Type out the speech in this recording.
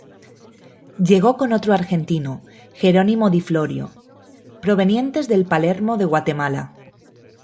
Llegó con otro argentino, Gerónimo Di Florio, provenientes del Palermo de Guatemala.